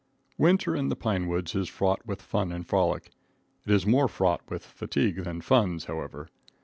Winter in the pine woods is fraught with fun and frolic. It is more fraught with fatigue than funds, however.